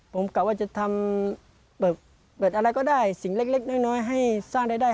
ผมใกล้ว่าจะทำสิ่งเล็กน้อยให้สร้างได้